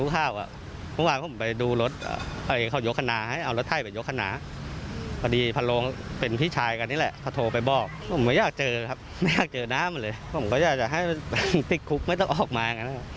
ก็ไม่อยากเจอครับไม่อยากเจอน้ำเลยก็อยากให้ติดคุกไม่ต้องออกมา